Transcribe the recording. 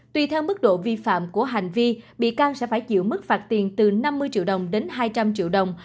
tùy theo mức độ vi phạm của hành vi bị can sẽ phải chịu mức phạt tiền từ năm mươi triệu đồng đến hai trăm linh triệu đồng